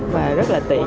và rất là tiện